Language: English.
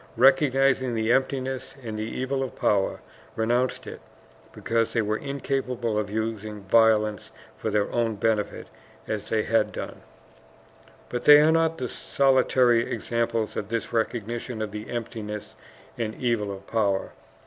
recognizing the emptiness and the evil of power, renounced it because they were incapable of using violence for their own benefit as they had done. But they are not the solitary examples of this recognition of the emptiness and evil of power.